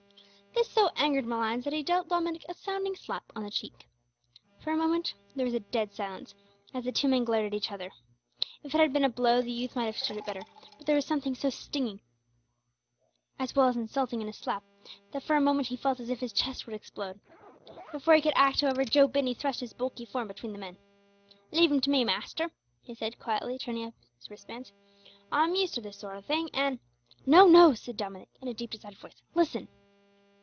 This so angered Malines, that he dealt Dominick a sounding slap on the cheek. For a moment there was dead silence, as the two men glared at each other. If it had been a blow the youth might have stood it better, but there was something so stinging, as well as insulting, in a slap, that for a moment he felt as if his chest would explode. Before he could act, however, Joe Binney thrust his bulky form between the men. "Leave'm to me, master," he said, quietly turning up his wristbands, "I'm used to this sort o' thing, an' " "No, no," said Dominick, in a deep, decided voice, "listen."